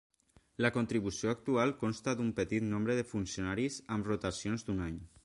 La contribució actual consta d'un petit nombre de funcionaris amb rotacions d'un any.